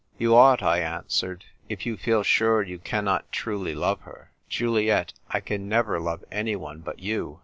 " You ought," I answered, " if you feel sure you cannot truly love her." "Juliet, I can never love anyone but you.